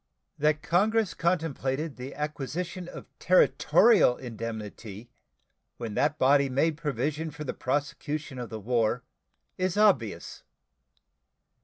That Congress contemplated the acquisition of territorial indemnity when that body made provision for the prosecution of the war is obvious.